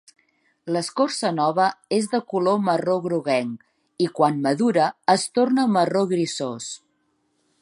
L'escorça nova és de color marró groguenc, i quan madura es torna marró grisós.